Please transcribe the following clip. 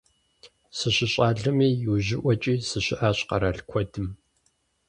СыщыщӀалэми иужьыӀуэкӀи сыщыӀащ къэрал куэдым.